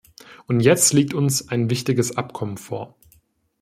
Und jetzt liegt uns ein wichtiges Abkommen vor.